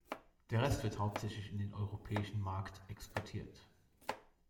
Der Rest wird hauptsächlich in den europäischen Markt exportiert.